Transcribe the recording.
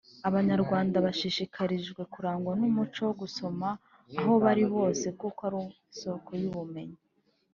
Abanyarwanda bashishikarijwe kurangwa n’umuco wo gusoma aho bari hose kuko ari isooko y’ubumenyi